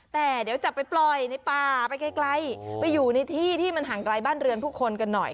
แต่เดี๋ยวจะไปปล่อยในป่าไปไกลไปอยู่ในที่ที่มันห่างไกลบ้านเรือนผู้คนกันหน่อย